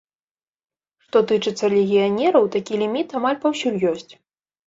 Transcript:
Што тычыцца легіянераў, такі ліміт амаль паўсюль ёсць.